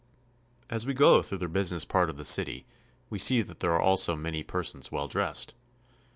As we go through the business part of the city we see that there are also many persons well dressed.